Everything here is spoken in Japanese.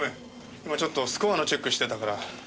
今ちょっとスコアのチェックしてたから。